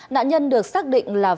nạn nhân được xác định là phạm